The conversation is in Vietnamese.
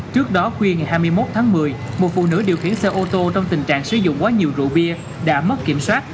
trước đó khuya ngày hai mươi một tháng một mươi một phụ nữ điều khiển xe ô tô trong tình trạng sử dụng quá nhiều rượu bia đã mất kiểm soát